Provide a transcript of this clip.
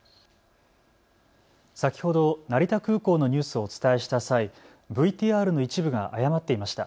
先ほど成田空港のニュースをお伝えした際、ＶＴＲの一部が誤っていました。